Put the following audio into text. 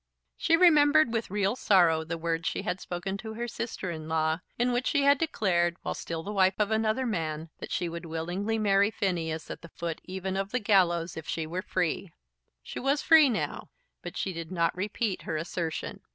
She remembered with real sorrow the words she had spoken to her sister in law, in which she had declared, while still the wife of another man, that she would willingly marry Phineas at the foot even of the gallows if she were free. She was free now; but she did not repeat her assertion.